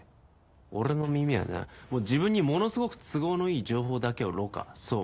俺の耳はな自分にものすごく都合のいい情報だけを濾過そう